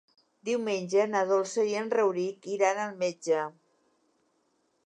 Diumenge na Dolça i en Rauric iran al metge.